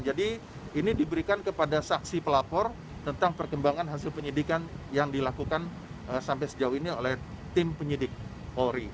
jadi ini diberikan kepada saksi pelapor tentang perkembangan hasil penyidikan yang dilakukan sampai sejauh ini oleh tim penyidik ori